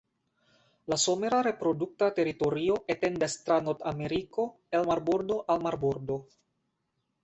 La somera reprodukta teritorio etendas tra Nordameriko el marbordo al marbordo.